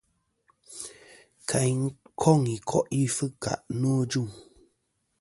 Kayn koŋ i ko'i fɨkà nô ajuŋ.